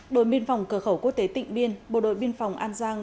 đội biên phòng cửa khẩu quốc tế tịnh biên bộ đội biên phòng an giang